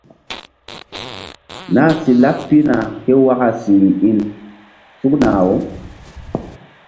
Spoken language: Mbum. Nah si laɓ pihna ke waka siri-in sukna-aw.